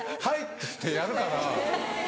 「はい」ってやるから。